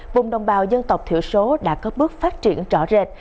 vùng đồng bào dân tộc thiểu số đã có bước phát triển rõ rệt